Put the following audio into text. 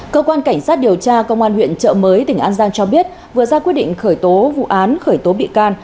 cơ quan cảnh sát điều tra công an huyện trợ mới tỉnh an giang cho biết vừa ra quyết định khởi tố vụ án khởi tố bị can